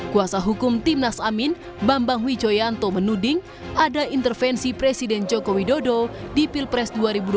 kuasa hukum timnas amin bambang wijoyanto menuding ada intervensi presiden joko widodo di pilpres dua ribu dua puluh